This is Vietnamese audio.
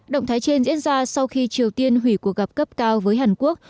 động thái trên diễn ra sau khi triều tiên hủy cuộc gặp cấp cao với hàn quốc